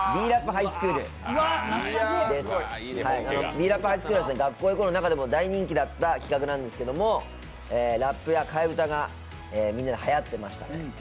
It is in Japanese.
「Ｂ−ＲＡＰハイスクール」は「学校へ行こう！」の中でも大人気だった企画なんですけれども、ラップや替え歌がみんなではやってましたね。